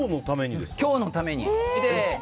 今日のために。